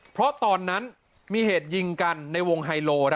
เพราะตอนนั้นมีเหตุยิงกันในวงไฮโล